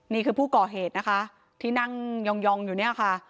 นี่คือผู้ก่อเหตุนะคะที่นั่งยองอยู่เนี่ยค่ะ